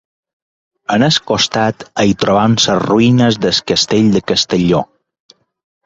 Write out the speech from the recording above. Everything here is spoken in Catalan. Al costat hi trobem les ruïnes del Castell de Castelló.